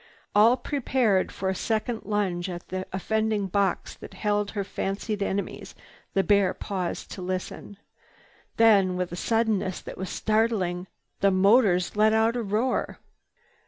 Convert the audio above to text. All prepared for a second lunge at the offending box that held her fancied enemies, the bear paused to listen. Then, with a suddenness that was startling, the motors let out a roar.